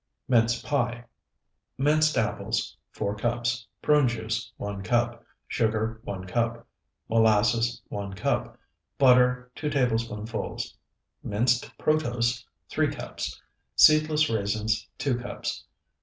MINCE PIE Minced apples, 4 cups. Prune juice, 1 cup. Sugar, 1 cup. Molasses, 1 cup. Butter, 2 tablespoonfuls. Minced protose, 3 cups. Seedless raisins, 2 cups.